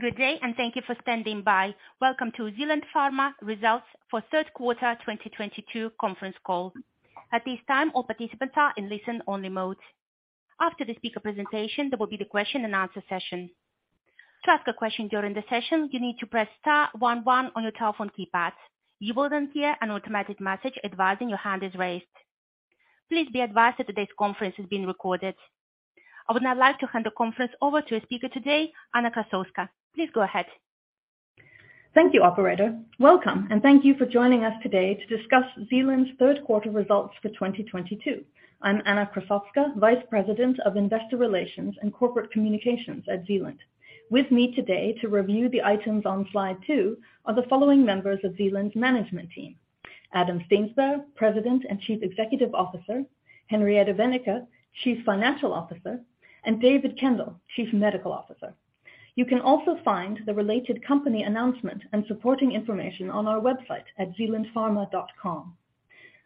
Good day, and thank you for standing by. Welcome to Zealand Pharma Results for third quarter 2022 conference call. At this time, all participants are in listen-only mode. After the speaker presentation, there will be the question and answer session. To ask a question during the session, you need to press star one one on your telephone keypad. You will then hear an automatic message advising that your hand is raised. Please be advised that today's conference is being recorded. I would now like to hand the conference over to a speaker today, Anna Krassowska. Please go ahead. Thank you, operator. Welcome, and thank you for joining us today to discuss Zealand's third quarter results for 2022. I'm Anna Krassowska, Vice President of Investor Relations and Corporate Communications at Zealand. With me today to review the items on slide 2 are the following members of Zealand's management team: Adam Steensberg, President and Chief Executive Officer, Henriette Wennicke, Chief Financial Officer, and David Kendall, Chief Medical Officer. You can also find the related company announcement and supporting information on our website at zealandpharma.com.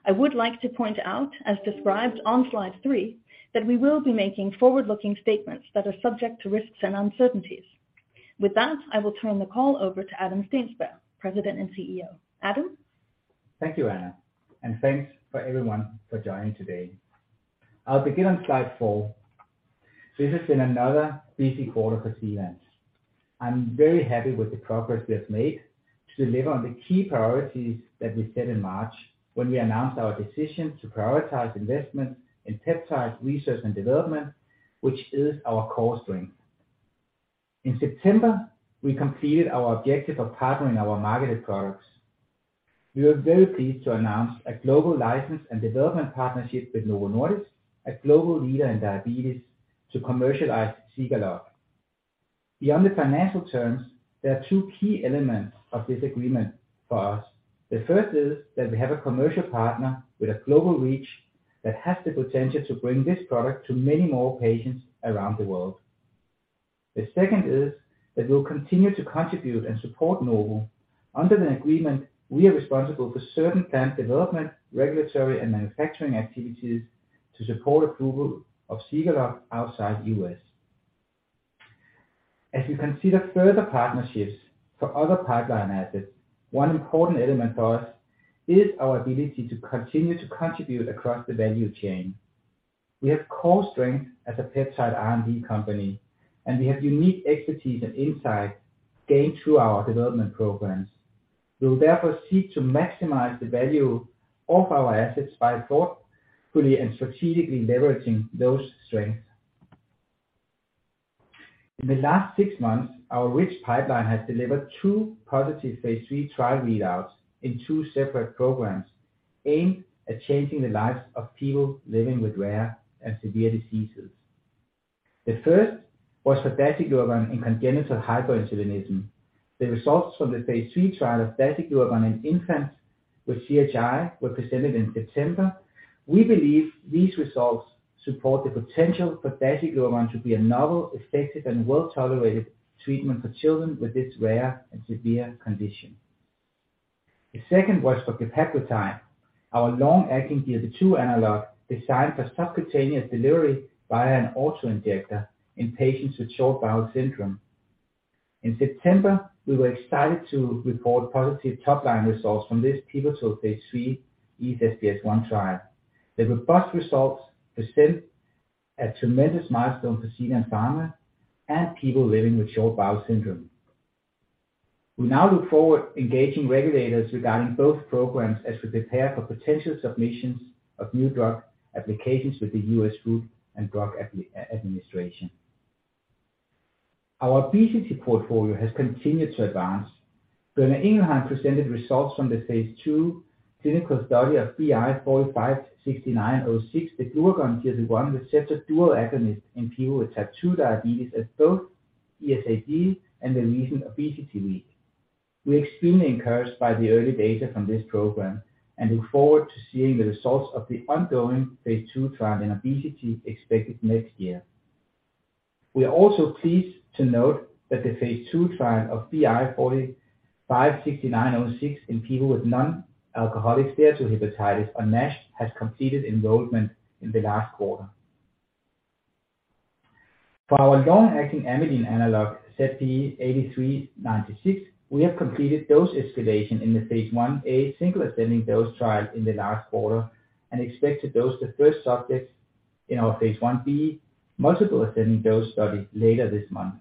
I would like to point out, as described on slide 3, that we will be making forward-looking statements that are subject to risks and uncertainties. With that, I will turn the call over to Adam Steensberg, President and CEO. Adam? Thank you, Anna, and thanks for everyone for joining today. I'll begin on slide four. This has been another busy quarter for Zealand. I'm very happy with the progress we have made to deliver on the key priorities that we set in March when we announced our decision to prioritize investment in peptide research and development, which is our core strength. In September, we completed our objective of partnering our marketed products. We are very pleased to announce a global license and development partnership with Novo Nordisk, a global leader in diabetes, to commercialize Zegalogue. Beyond the financial terms, there are two key elements of this agreement for us. The first is that we have a commercial partner with a global reach that has the potential to bring this product to many more patients around the world. The second is that we'll continue to contribute and support Novo. Under the agreement, we are responsible for certain plant development, regulatory, and manufacturing activities to support approval of Zegalogue outside the U.S. As we consider further partnerships for other pipeline assets, one important element for us is our ability to continue to contribute across the value chain. We have core strength as a peptide R&D company, and we have unique expertise and insight gained through our development programs. We will therefore seek to maximize the value of our assets by thoughtfully and strategically leveraging those strengths. In the last six months, our rich pipeline has delivered two positive phase III trial readouts in two separate programs aimed at changing the lives of people living with rare and severe diseases. The first was for dasiglucagon in congenital hyperinsulinism. The results from the phase III trial of dasiglucagon in infants with CHI were presented in September. We believe these results support the potential for dasiglucagon to be a novel, effective, and well-tolerated treatment for children with this rare and severe condition. The second was for glepaglutide, our long-acting GLP-2 analog designed for subcutaneous delivery via an autoinjector in patients with short bowel syndrome. In September, we were excited to report positive top-line results from this pivotal phase III EASE-SBS 1 trial. The robust results present a tremendous milestone for Zealand Pharma and people living with short bowel syndrome. We now look forward to engaging regulators regarding both programs as we prepare for potential submissions of new drug applications with the US Food and Drug Administration. Our obesity portfolio has continued to advance. Boehringer Ingelheim presented results from the phase II clinical study of BI 456906, the glucagon/GLP-1 receptor dual agonist in people with type 2 diabetes at both EASD and the recent ObesityWeek. We are extremely encouraged by the early data from this program and look forward to seeing the results of the ongoing phase II trial in obesity expected next year. We are also pleased to note that the phase II trial of BI 456906 in people with non-alcoholic steatohepatitis, or NASH, has completed enrollment in the last quarter. For our long-acting amylin analog, ZP8396, we have completed dose escalation in the phase Ia single ascending dose trial in the last quarter and expect to dose the first subjects in our phase Ib multiple ascending dose study later this month.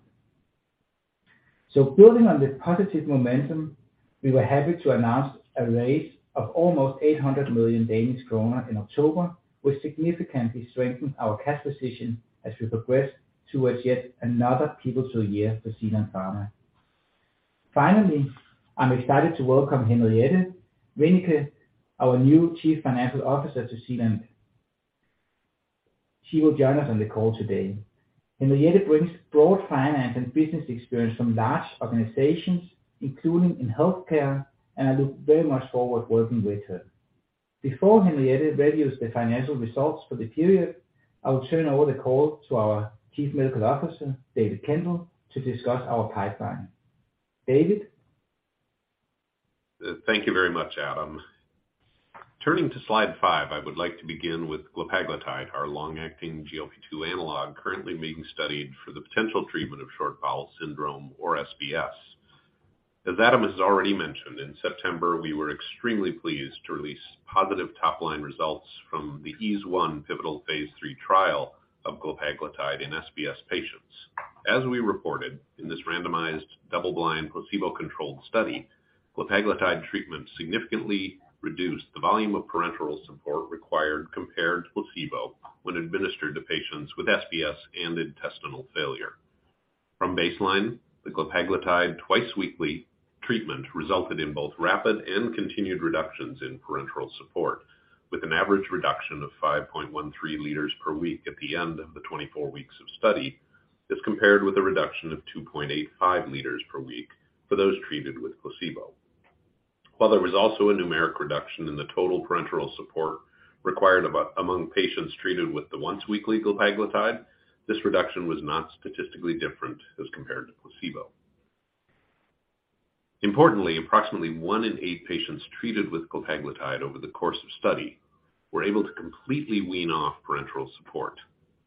Building on this positive momentum, we were happy to announce a raise of almost 800 million Danish kroner in October, which significantly strengthened our cash position as we progress towards yet another pivotal year for Zealand Pharma. Finally, I'm excited to welcome Henriette Wennicke, our new Chief Financial Officer to Zealand. She will join us on the call today. Henriette brings broad finance and business experience from large organizations, including in healthcare, and I look very much forward working with her. Before Henriette reviews the financial results for the period, I will turn over the call to our Chief Medical Officer, David Kendall, to discuss our pipeline. David? Thank you very much, Adam. Turning to slide 5, I would like to begin with glepaglutide, our long-acting GLP-2 analog currently being studied for the potential treatment of short bowel syndrome or SBS. As Adam has already mentioned, in September, we were extremely pleased to release positive top-line results from the EASE 1 pivotal phase III trial of glepaglutide in SBS patients. As we reported in this randomized double-blind placebo-controlled study, glepaglutide treatment significantly reduced the volume of parenteral support required compared to placebo when administered to patients with SBS and intestinal failure. From baseline, the glepaglutide twice weekly treatment resulted in both rapid and continued reductions in parenteral support, with an average reduction of 5.13 liters per week at the end of the 24 weeks of study, as compared with a reduction of 2.85 liters per week for those treated with placebo. While there was also a numeric reduction in the total parenteral support required among patients treated with the once-weekly glepaglutide, this reduction was not statistically different as compared to placebo. Importantly, approximately one in eight patients treated with glepaglutide over the course of study were able to completely wean off parenteral support.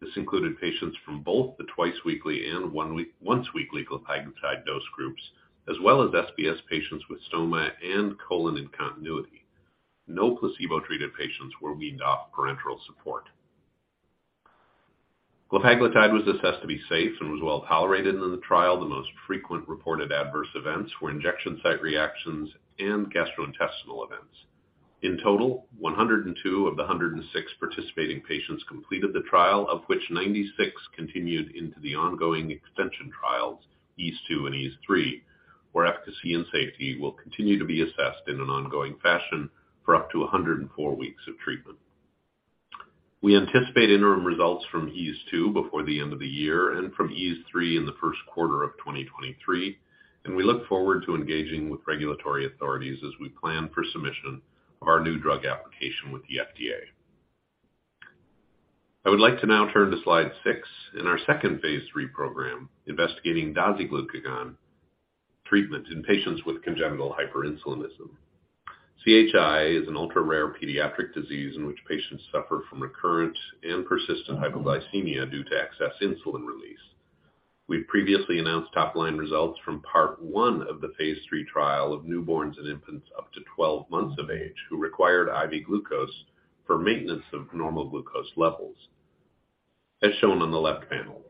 This included patients from both the twice-weekly and once-weekly glepaglutide dose groups, as well as SBS patients with stoma and colon-in-continuity. No placebo-treated patients were weaned off parenteral support. Glepaglutide was assessed to be safe and was well tolerated in the trial. The most frequent reported adverse events were injection site reactions and gastrointestinal events. In total, 102 of the 106 participating patients completed the trial, of which 96 continued into the ongoing extension trials, EASE 2 and EASE 3, where efficacy and safety will continue to be assessed in an ongoing fashion for up to 104 weeks of treatment. We anticipate interim results from EASE 2 before the end of the year and from EASE 3 in the first quarter of 2023, and we look forward to engaging with regulatory authorities as we plan for submission of our new drug application with the FDA. I would like to now turn to Slide 6 in our second phase III program investigating dasiglucagon treatment in patients with congenital hyperinsulinism. CHI is an ultra-rare pediatric disease in which patients suffer from recurrent and persistent hypoglycemia due to excess insulin release. We've previously announced top-line results from part one of the phase III trial of newborns and infants up to 12 months of age who required IV glucose for maintenance of normal glucose levels, as shown on the left panel.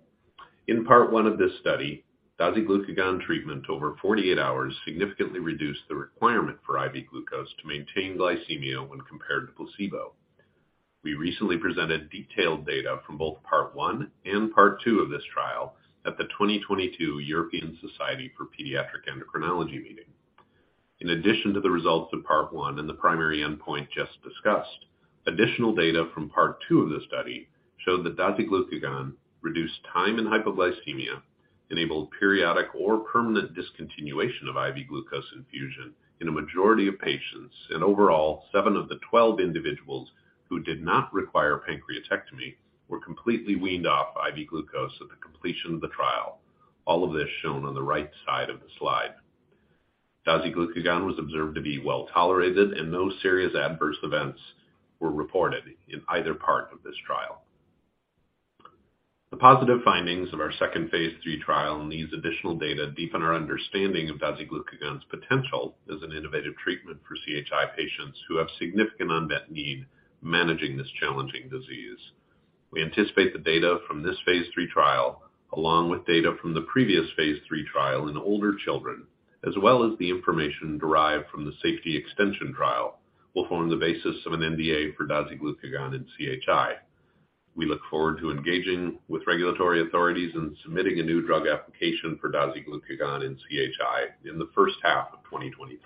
In part one of this study, dasiglucagon treatment over 48 hours significantly reduced the requirement for IV glucose to maintain glycemia when compared to placebo. We recently presented detailed data from both part one and part two of this trial at the 2022 European Society for Pediatric Endocrinology Meeting. In addition to the results of part one and the primary endpoint just discussed, additional data from part two of the study showed that dasiglucagon reduced time and hypoglycemia, enabled periodic or permanent discontinuation of IV glucose infusion in a majority of patients. Overall, 7 of the 12 individuals who did not require pancreatectomy were completely weaned off IV glucose at the completion of the trial. All of this shown on the right side of the slide. dasiglucagon was observed to be well-tolerated, and no serious adverse events were reported in either part of this trial. The positive findings of our second phase III trial and these additional data deepen our understanding of dasiglucagon's potential as an innovative treatment for CHI patients who have significant unmet need managing this challenging disease. We anticipate the data from this phase III trial, along with data from the previous phase III trial in older children, as well as the information derived from the safety extension trial, will form the basis of an NDA for dasiglucagon in CHI. We look forward to engaging with regulatory authorities and submitting a new drug application for dasiglucagon in CHI in the first half of 2023.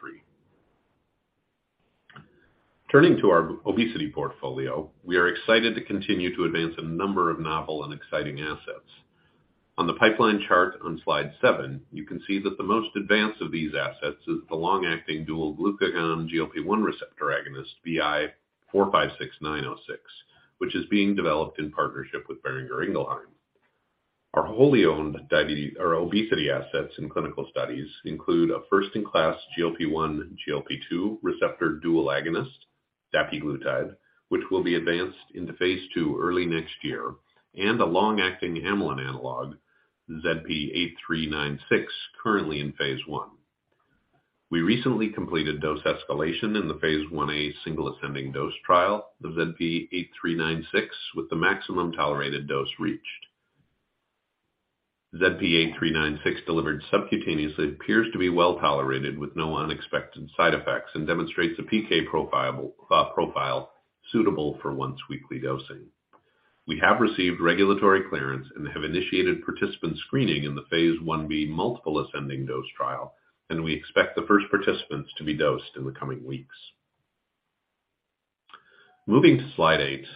Turning to our obesity portfolio, we are excited to continue to advance a number of novel and exciting assets. On the pipeline chart on slide 7, you can see that the most advanced of these assets is the long-acting dual glucagon/GLP-1 receptor agonist BI 456906, which is being developed in partnership with Boehringer Ingelheim. Our wholly owned diabetes or obesity assets in clinical studies include a first-in-class GLP-1/GLP-2 receptor dual agonist, dapiglutide, which will be advanced into phase II early next year, and a long-acting amylin analog, ZP8396, currently in phase I. We recently completed dose escalation in the phase 1a single ascending dose trial of ZP8396, with the maximum tolerated dose reached. ZP8396 delivered subcutaneously appears to be well-tolerated with no unexpected side effects and demonstrates a PK profile suitable for once-weekly dosing. We have received regulatory clearance and have initiated participant screening in the phase 1b multiple ascending dose trial, and we expect the first participants to be dosed in the coming weeks. Moving to slide 8,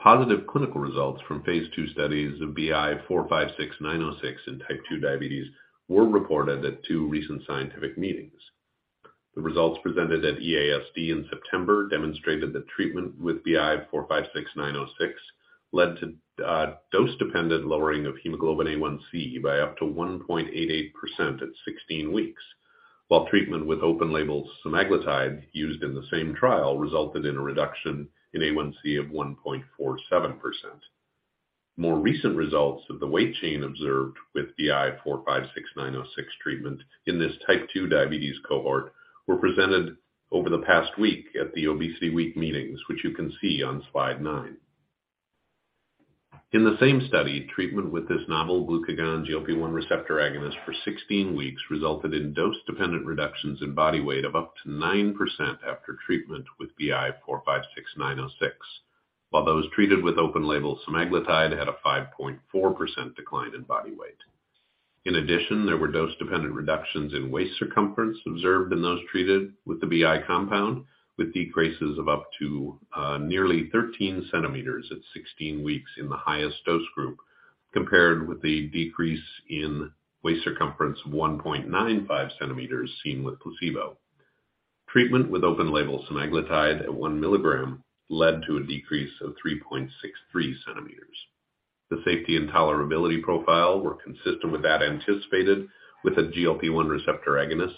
positive clinical results from phase II studies of BI 456906 in type 2 diabetes were reported at two recent scientific meetings. The results presented at EASD in September demonstrated that treatment with BI 456906 led to dose-dependent lowering of hemoglobin A1C by up to 1.88% at 16 weeks, while treatment with open-label semaglutide used in the same trial resulted in a reduction in A1C of 1.47%. More recent results of the weight change observed with BI 456906 treatment in this type 2 diabetes cohort were presented over the past week at the ObesityWeek meetings, which you can see on slide 9. In the same study, treatment with this novel glucagon GLP-1 receptor agonist for 16 weeks resulted in dose-dependent reductions in body weight of up to 9% after treatment with BI 456906, while those treated with open-label semaglutide had a 5.4% decline in body weight. In addition, there were dose-dependent reductions in waist circumference observed in those treated with the BI compound, with decreases of up to nearly 13 centimeters at 16 weeks in the highest dose group compared with the decrease in waist circumference of 1.95 centimeters seen with placebo. Treatment with open-label semaglutide at 1 milligram led to a decrease of 3.63 centimeters. The safety and tolerability profile were consistent with that anticipated with a GLP-1 receptor agonist,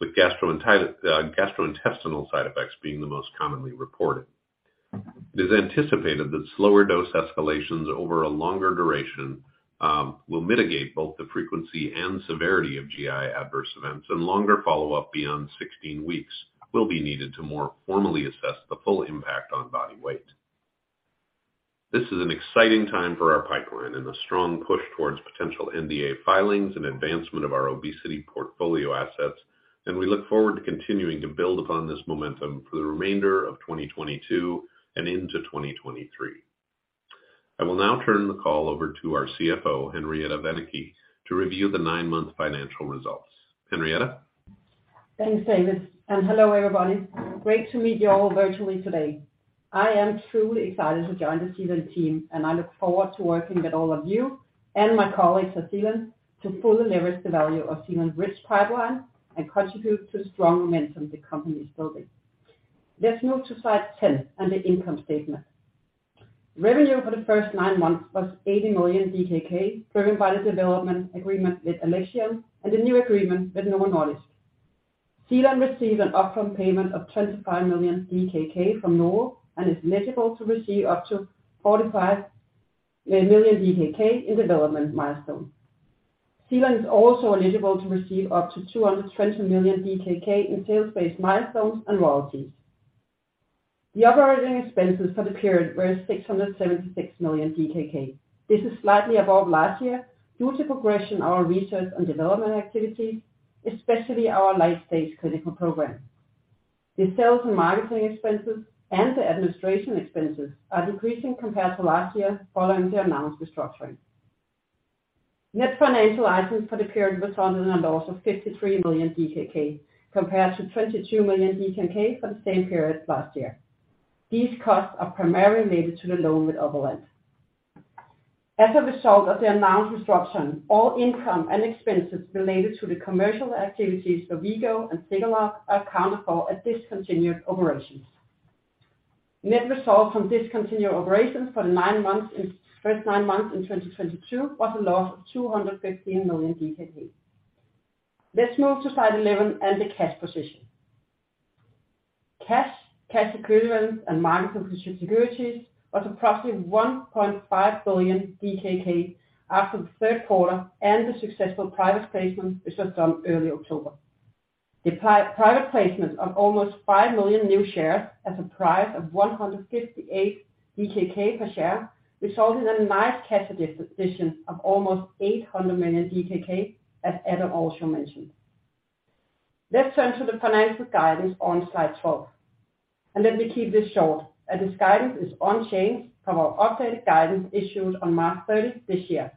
with gastrointestinal side effects being the most commonly reported. It is anticipated that slower dose escalations over a longer duration will mitigate both the frequency and severity of GI adverse events, and longer follow-up beyond 16 weeks will be needed to more formally assess the full impact on body weight. This is an exciting time for our pipeline and a strong push towards potential NDA filings and advancement of our obesity portfolio assets, and we look forward to continuing to build upon this momentum for the remainder of 2022 and into 2023. I will now turn the call over to our CFO, Henriette Wennicke, to review the nine-month financial results. Henriette? Thanks, David, and hello, everybody. Great to meet you all virtually today. I am truly excited to join the Zealand team, and I look forward to working with all of you and my colleagues at Zealand to fully leverage the value of Zealand's rich pipeline and contribute to the strong momentum the company is building. Let's move to slide 10 and the income statement. Revenue for the first nine months was 80 million DKK, driven by the development agreement with Alexion and the new agreement with Novo Nordisk. Zealand received an upfront payment of 25 million DKK from Novo and is eligible to receive up to 45 million DKK in development milestones. Zealand is also eligible to receive up to 220 million DKK in sales-based milestones and royalties. The operating expenses for the period were 676 million DKK. This is slightly above last year due to progression of our research and development activities, especially our late-stage clinical programs. The sales and marketing expenses and the administration expenses are decreasing compared to last year following the announced restructuring. Net financial items for the period was a loss of 53 million DKK compared to 22 million DKK for the same period last year. These costs are primarily related to the loan with Oberland. As a result of the announced restructuring, all income and expenses related to the commercial activities for V-Go and Zegalogue are accounted for as discontinued operations. Net results from discontinued operations for the first nine months in 2022 was a loss of 215 million. Let's move to slide 11 and the cash position. Cash, cash equivalents, and marketable securities was approximately 1.5 billion DKK after the third quarter and the successful private placement which was done early October. The private placement of almost 5 million new shares at a price of 158 DKK per share resulted in a nice cash position of almost 800 million DKK, as Adam also mentioned. Let's turn to the financial guidance on slide 12, and let me keep this short, as this guidance is unchanged from our updated guidance issued on March 30 this year.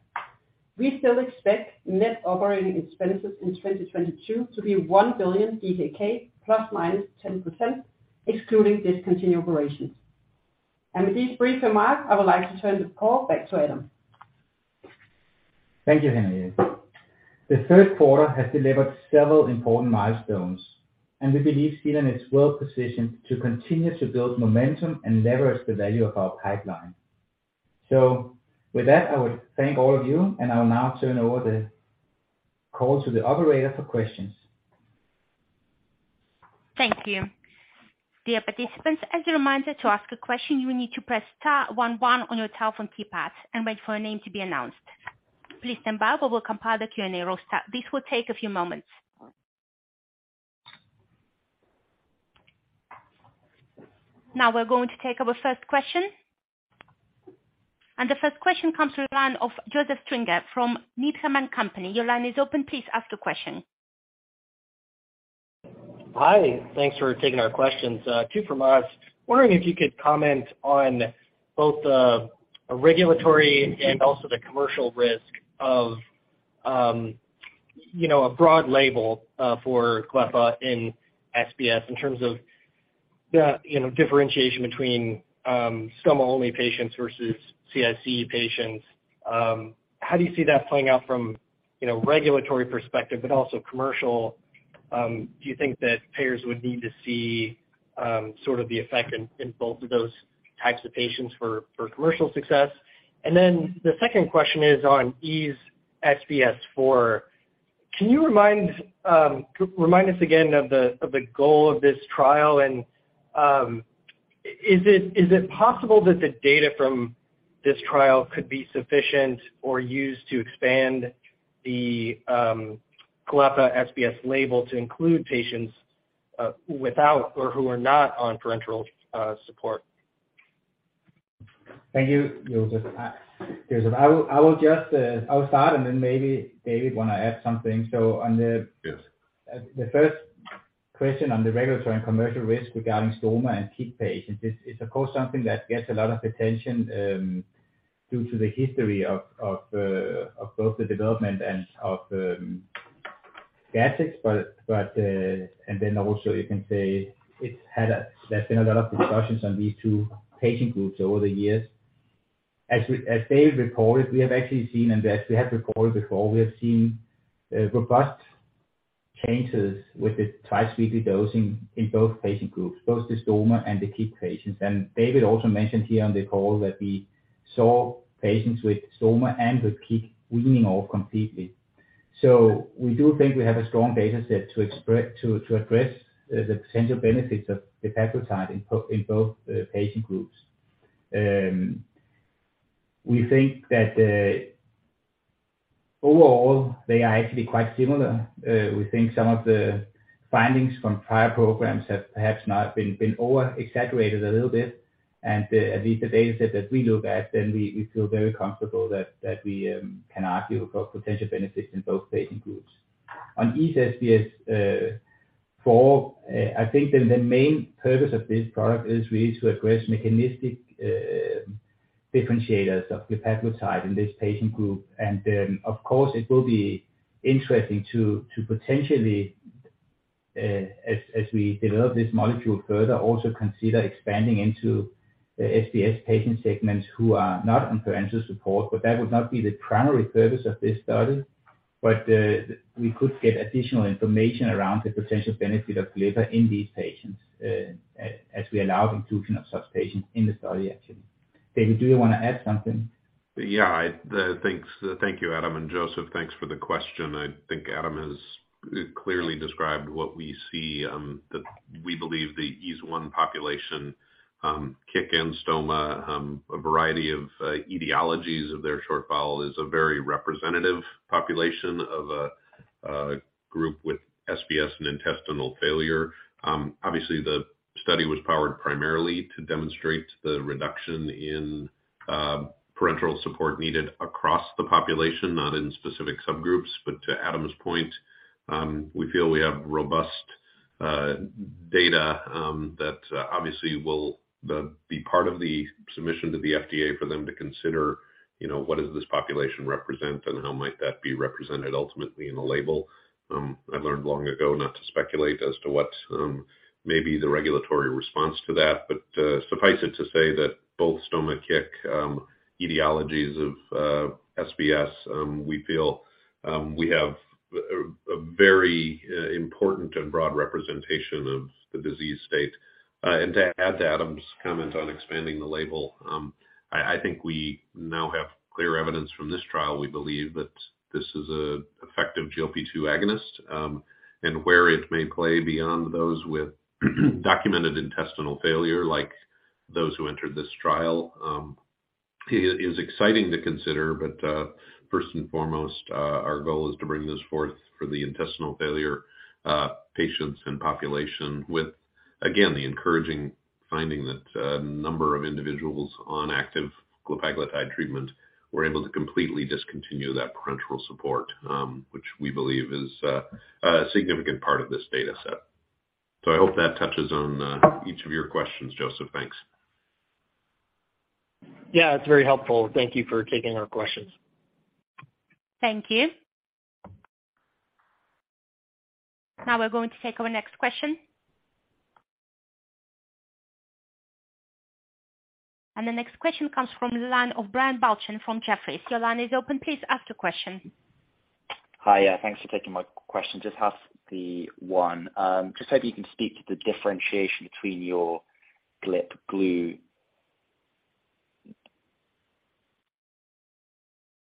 We still expect net operating expenses in 2022 to be 1 billion ±10%, excluding discontinued operations. With these brief remarks, I would like to turn the call back to Adam. Thank you, Henriette. The third quarter has delivered several important milestones, and we believe Zealand is well positioned to continue to build momentum and leverage the value of our pipeline. With that, I would thank all of you, and I will now turn over the call to the operator for questions. Thank you. Dear participants, as a reminder, to ask a question, you will need to press star one one on your telephone keypad and wait for a name to be announced. Please stand by while we compile the Q&A roster. This will take a few moments. Now we're going to take our first question. The first question comes from the line of Joseph Stringer from Needham & Company. Your line is open. Please ask the question. Hi. Thanks for taking our questions. Two from us. Wondering if you could comment on both the regulatory and also the commercial risk of you know a broad label for glepaglutide in SBS in terms of the you know differentiation between stoma-only patients versus CIC patients. How do you see that playing out from you know regulatory perspective but also commercial. Do you think that payers would need to see sort of the effect in both of those types of patients for commercial success? Then the second question is on EASE-SBS 4. Can you remind us again of the goal of this trial? Is it possible that the data from this trial could be sufficient or used to expand the glepaglutide SBS label to include patients without or who are not on parenteral support? Thank you, Joseph. Joseph, I will just start and then maybe David want to add something. On the- Yes. The first question on the regulatory and commercial risk regarding stoma and CIC patients is of course something that gets a lot of attention due to the history of both the development and Gattex. You can say there's been a lot of discussions on these two patient groups over the years. As David reported, we have actually seen, and as we have reported before, robust changes with the twice-weekly dosing in both patient groups, both the stoma and the CIC patients. David also mentioned here on the call that we saw patients with stoma and with CIC weaning off completely. We do think we have a strong data set to address the potential benefits of the glepaglutide in both patient groups. We think that overall they are actually quite similar. We think some of the findings from prior programs have perhaps not been overexaggerated a little bit. At least the data set that we look at, then we feel very comfortable that we can argue for potential benefits in both patient groups. On EASE-SBS 4, I think the main purpose of this product is really to address mechanistic differentiators of the glepaglutide in this patient group. Of course, it will be interesting to potentially, as we develop this molecule further, also consider expanding into the SBS patient segments who are not on parenteral support. That would not be the primary purpose of this study. We could get additional information around the potential benefit of glepaglutide in these patients, as we allow inclusion of such patients in the study actually. David, do you want to add something? Yeah, thanks. Thank you, Adam and Joseph, thanks for the question. I think Adam has clearly described what we see, that we believe the EASE 1 population, CIC and stoma, a variety of etiologies of their short bowel is a very representative population of a group with SBS and intestinal failure. Obviously the study was powered primarily to demonstrate the reduction in parenteral support needed across the population, not in specific subgroups. To Adam's point, we feel we have robust data that obviously will be part of the submission to the FDA for them to consider, you know, what does this population represent, and how might that be represented ultimately in the label. I learned long ago not to speculate as to what may be the regulatory response to that, but suffice it to say that both stoma CIC etiologies of SBS we feel we have a very important and broad representation of the disease state. To add to Adam's comment on expanding the label, I think we now have clear evidence from this trial. We believe that this is an effective GLP-2 agonist, and where it may play beyond those with documented intestinal failure, like those who entered this trial, is exciting to consider. First and foremost, our goal is to bring this forth for the intestinal failure patients and population with, again, the encouraging finding that a number of individuals on active glepaglutide treatment were able to completely discontinue that parenteral support, which we believe is a significant part of this data set. I hope that touches on each of your questions, Joseph. Thanks. Yeah, it's very helpful. Thank you for taking our questions. Thank you. Now we're going to take our next question. The next question comes from the line of Brian Balchin from Jefferies. Your line is open. Please ask your question. Hi. Thanks for taking my question. Just have the one. Just hope you can speak to the differentiation between your glepaglutide.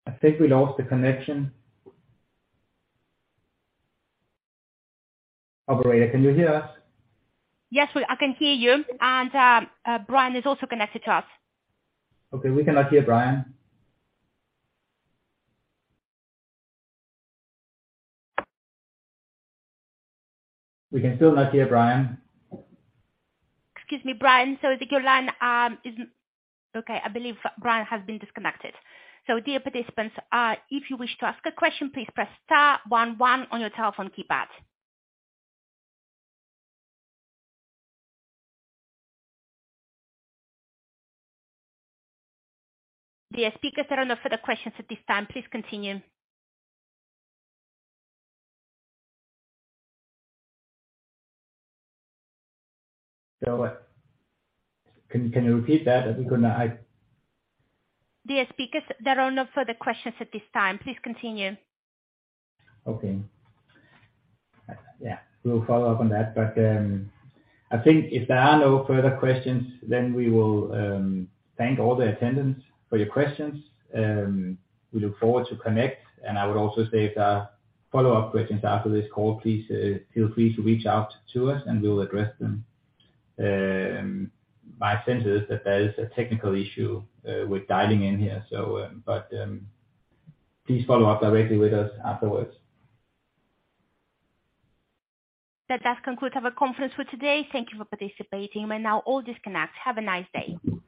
I think we lost the connection. Operator, can you hear us? Yes, I can hear you. Brian is also connected to us. Okay. We cannot hear Brian. We can still not hear Brian. Excuse me, Brian. I think your line isn't. Okay, I believe Brian has been disconnected. Dear participants, if you wish to ask a question, please press star one one on your telephone keypad. Dear speakers, there are no further questions at this time. Please continue. Can you repeat that? I think we're gonna Dear speakers, there are no further questions at this time. Please continue. Okay. Yeah, we'll follow up on that. I think if there are no further questions, then we will thank all the attendees for your questions. We look forward to connect. I would also say if there are follow-up questions after this call, please feel free to reach out to us and we'll address them. My sense is that there is a technical issue with dialing in here. Please follow up directly with us afterwards. That does conclude our conference for today. Thank you for participating. You may now all disconnect. Have a nice day.